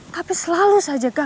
tapi selalu saja gagal